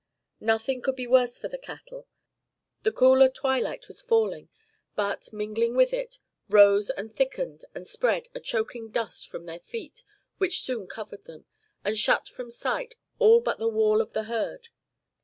Nothing could be worse for the cattle. The cooler twilight was falling, but, mingling with it, rose and thickened and spread a choking dust from their feet which soon covered them, and shut from sight all but the wall of the herd.